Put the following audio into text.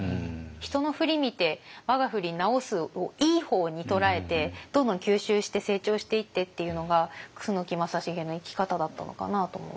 「人のふり見て我がふり直す」をいい方に捉えてどんどん吸収して成長していってっていうのが楠木正成の生き方だったのかなとも思いますね。